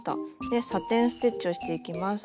でサテン・ステッチをしていきます。